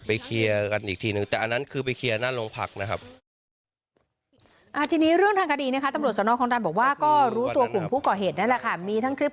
เคลียร์กันอีกทีนึงแต่อันนั้นคือไปเคลียร์หน้าโรงพักนะครับ